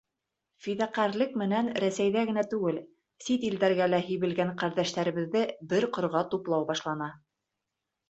Фиҙаҡәрлек менән Рәсәйҙә генә түгел, сит илдәргә лә һибелгән ҡәрҙәштәребеҙҙе бер ҡорға туплау башлана.